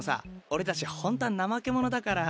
俺たちホントは怠け者だから。